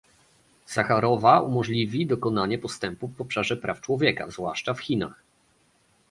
Sacharowa umożliwi dokonanie postępów w obszarze praw człowieka, zwłaszcza w Chinach